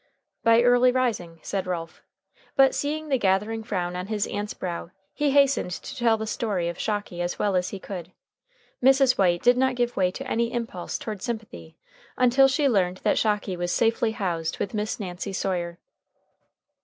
"By early rising," said Ralph. But, seeing the gathering frown on his aunt's brow, he hastened to tell the story of Shocky as well as he could. Mrs. White did not give way to any impulse toward sympathy until she learned that Shocky was safely housed with Miss Nancy Sawyer.